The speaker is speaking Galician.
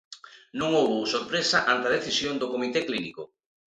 Non houbo sorpresa ante a decisión do comité clínico.